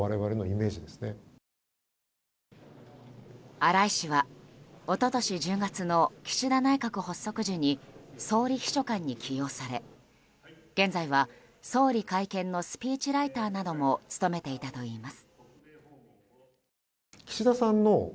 荒井氏は、一昨年１０月の岸田内閣発足時に総理秘書官に起用され現在は総理会見のスピーチライターなども務めていたといいます。